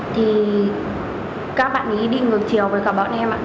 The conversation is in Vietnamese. thì các bạn ý đi ngược chiều với cả bọn em ạ